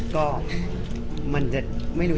ก็มันจะไม่รู้